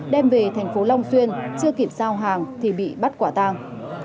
đem về thành phố long xuyên chưa kịp giao hàng thì bị bắt quả tang